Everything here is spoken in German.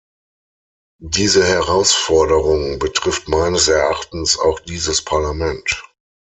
Diese Herausforderung betrifft meines Erachtens auch dieses Parlament.